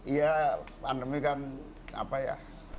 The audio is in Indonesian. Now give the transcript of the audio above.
ya pandemi kan apa ya